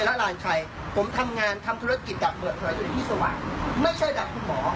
ผมไม่เคยร่านใครผมทำงานทำธุรกิจตามเราให้อยู่ที่สวัสดิ์ไม่ใช่ถามคุณหมอ